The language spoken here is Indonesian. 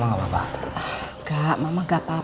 lo gak bisa sembarang menuduh gue